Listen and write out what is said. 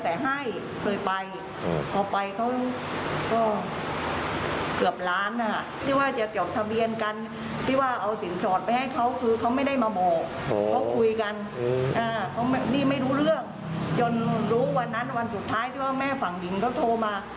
เขาคุยกันนี่ไม่รู้เรื่องจนรู้วันนั้นวันสุดท้ายที่ว่าแม่ฝั่งหญิงก็โทรมา